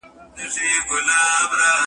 زوی او لور به یې نهر ورته پراته وه